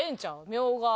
「みょうが」。